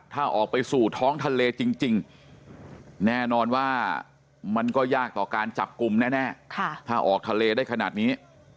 ถ้าออกไปสู่ท้องทะเลจริงแน่นอนว่ามันก็ยากต่อการจับกลุ่มแน่ถ้าออกทะเลได้ขนาดนี้